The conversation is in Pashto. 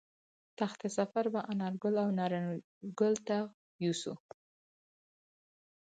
تخت سفر به انارګل او نارنج ګل ته یوسو